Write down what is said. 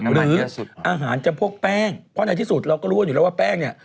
หรืออาหารจำพวกแป้งเพราะในที่สุดเราก็รู้กันอยู่แล้วว่าแป้งเนี่ย